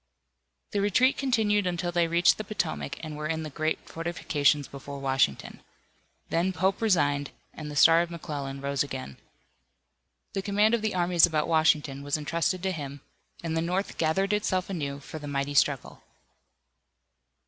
The retreat continued until they reached the Potomac and were in the great fortifications before Washington. Then Pope resigned, and the star of McClellan rose again. The command of the armies about Washington was entrusted to him, and the North gathered itself anew for the mighty struggle.